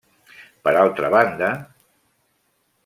Per altra banda.